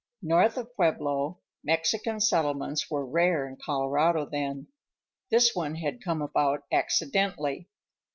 North of Pueblo, Mexican settlements were rare in Colorado then. This one had come about accidentally.